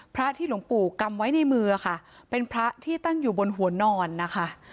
พระที่หลวงปู่กำไว้ในมือค่ะเป็นพระที่ตั้งอยู่บนหัวนอนนะคะ